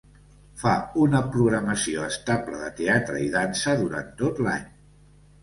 Fa una programació estable de teatre i dansa durant tot l'any.